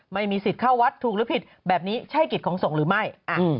ไม่มีสิทธิ์เข้าวัดถูกหรือผิดแบบนี้ใช่กิจของสงฆ์หรือไม่